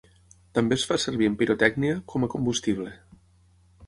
També es fa servir en pirotècnia com a combustible.